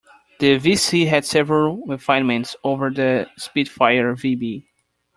The Vc had several refinements over the Spitfire Vb.